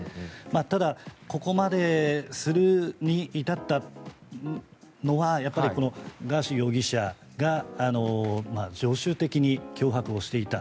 ただ、ここまでするに至ったのはガーシー容疑者が常習的に脅迫をしていた。